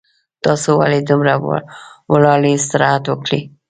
تاسو ولې دومره ولاړ یي استراحت وکړئ